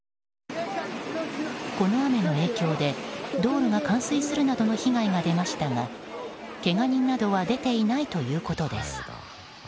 この雨の影響で、道路が冠水するなどの被害が出ましたがけが人などは出ていないということです。